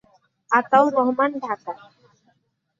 Ataur Rahman, Dhaka.